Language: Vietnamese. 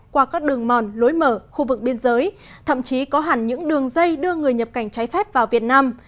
qua các đường mòn lối mở khu vực biên giới thậm chí có hẳn những đường dây đưa người nhập cảnh trái phép vào việt nam